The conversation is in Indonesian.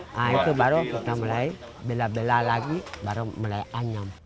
nah itu baru kita mulai bela bela lagi baru mulai anyam